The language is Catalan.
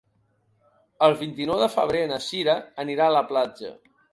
El vint-i-nou de febrer na Cira anirà a la platja.